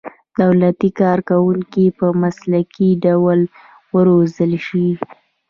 دولتي کارکوونکي په مسلکي ډول وروزل شي.